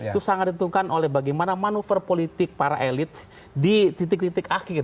itu sangat ditentukan oleh bagaimana manuver politik para elit di titik titik akhir